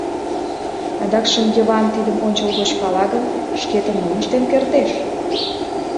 Адакшым Йыван тидым ончылгоч пала гын, шкетын мом ыштен кертеш?